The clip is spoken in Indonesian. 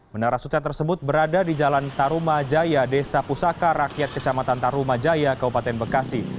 menara sute tersebut berada di jalan tarumajaya desa pusaka rakyat kecamatan tarumajaya kabupaten bekasi